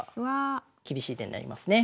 厳しい手になりますね。